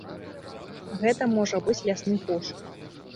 Гэта можа быць лясны пошук.